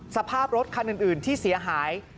สภาพรถคันอื่นที่เสียหาย